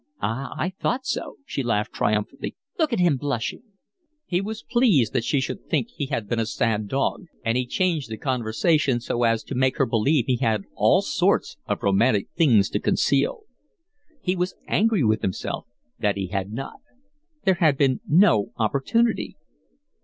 "Ah, I thought so," she laughed triumphantly. "Look at him blushing." He was pleased that she should think he had been a sad dog, and he changed the conversation so as to make her believe he had all sorts of romantic things to conceal. He was angry with himself that he had not. There had been no opportunity.